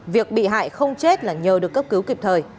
việc bị hại không chết là nhờ được cấp cứu kịp thời